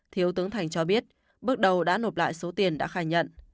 thiếu tướng thành cho biết bước đầu đã nộp lại số tiền đã khai nhận